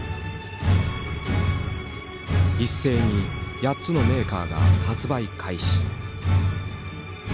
一斉に８つのメーカーが発売開始。